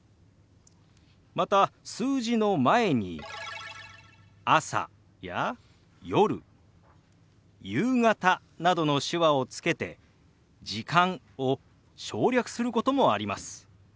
また数字の前に「朝」や「夜」「夕方」などの手話をつけて「時間」を省略することもあります。